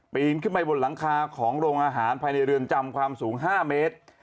ปีนขึ้นไปบนหลังคาของโรงอาหารภายในเรือนจำความสูง๕เมตร